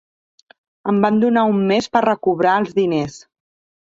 Em van donar un mes per recobrar els diners.